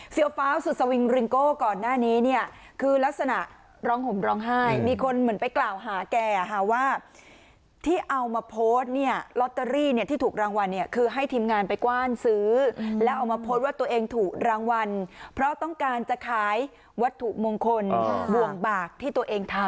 ฟ้าสุดสวิงริงโก้ก่อนหน้านี้เนี่ยคือลักษณะร้องห่มร้องไห้มีคนเหมือนไปกล่าวหาแกค่ะว่าที่เอามาโพสต์เนี่ยลอตเตอรี่เนี่ยที่ถูกรางวัลเนี่ยคือให้ทีมงานไปกว้านซื้อแล้วเอามาโพสต์ว่าตัวเองถูกรางวัลเพราะต้องการจะขายวัตถุมงคลบ่วงบากที่ตัวเองทำ